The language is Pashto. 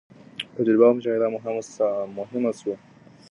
تجربه او مشاهده مهمه سوه.